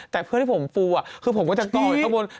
แต่เพื่อนที่ผมฟูคือผมจัดก่ออีกเค้าบน